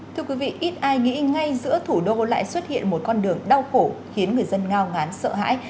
thưa quý vị ít ai nghĩ ngay giữa thủ đô lại xuất hiện một con đường đau khổ khiến người dân ngao ngán sợ hãi